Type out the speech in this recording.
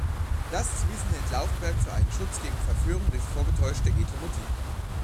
Das zu wissen, hält Laufenberg für einen Schutz gegen Verführung durch vorgetäuschte edle Motive.